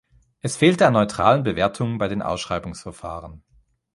Es fehlte an neutralen Bewertungen bei den Ausschreibungsverfahren.